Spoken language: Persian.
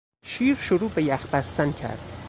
شیر شروع به یخ بستن کرد.